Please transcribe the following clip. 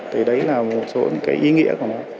thì đấy là một số cái ý nghĩa của nó